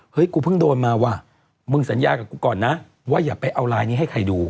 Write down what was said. กูเพิ่งโดนมาว่ะมึงสัญญากับกูก่อนนะว่าอย่าไปเอาไลน์นี้ให้ใครดู